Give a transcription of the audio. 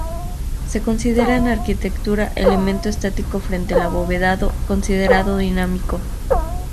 Se considera en arquitectura elemento estático frente el abovedado, considerado dinámico.